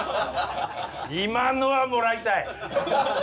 今のはもらいたい。